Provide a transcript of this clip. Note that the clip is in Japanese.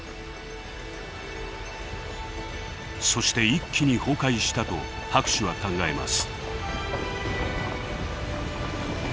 そして一気に崩壊したと博士は考えます。